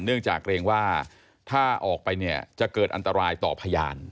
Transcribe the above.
เนื่องจากเกรงว่าถ้าออกไปเนี่ยจะเกิดอันตรายต่อพยาน